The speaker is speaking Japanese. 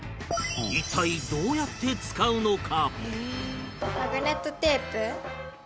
一体どうやって使うのか？